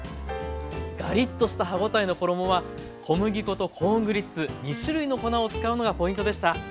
ガリッとした歯応えの衣は小麦粉とコーングリッツ２種類の粉を使うのがポイントでした。